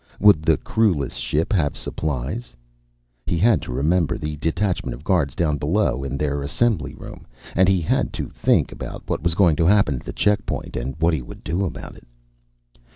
Would the crewless ship have supplies? He had to remember the detachment of guards, down below in their assembly room. And he had to think about what was going to happen at the checkpoint, and what he would do about it.